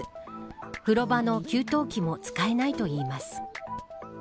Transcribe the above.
風呂場の給湯器も使えないといいます。